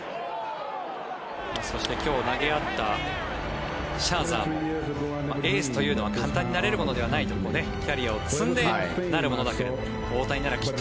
そして今日投げ合ったシャーザーもエースというのは簡単になれるものではないというキャリアを積んでなるものだと。